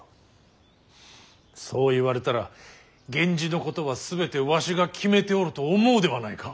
そう言われたら源氏のことは全てわしが決めておると思うではないか。